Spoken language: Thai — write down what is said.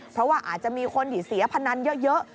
เพราะว่าอาจจะมีคนที่เสียพนันเยอะ